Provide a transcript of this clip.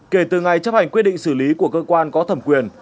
kể từ ngày chấp hành quyết định xử lý của cơ quan có thẩm quyền